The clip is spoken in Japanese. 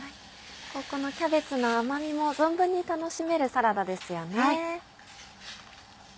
このキャベツの甘みも存分に楽しめるサラダですよね。